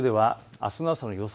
あすの朝の予想